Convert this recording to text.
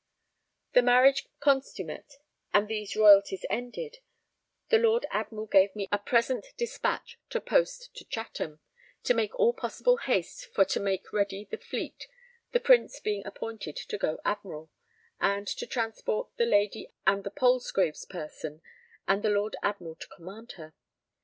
The marriage consummate and these royalties ended, the Lord Admiral gave me a present despatch to post to Chatham, to make all possible haste for to make ready the fleet, the Prince being appointed to go Admiral, and to transport the Lady and the Palsgrave's person and the Lord Admiral to command her.